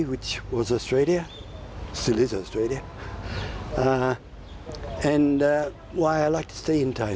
ว่าคุณจะเหลือไหนในหัวหน้าที่สุดอัสเทียส